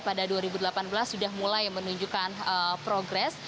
pada dua ribu delapan belas sudah mulai menunjukkan progres